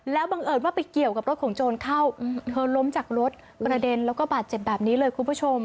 แล้วบังเอิญว่าไปเกี่ยวกับรถของโจรเข้าเธอล้มจากรถกระเด็นแล้วก็บาดเจ็บแบบนี้เลยคุณผู้ชม